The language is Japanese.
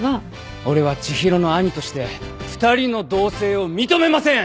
俺は知博の兄として２人の同棲を認めません！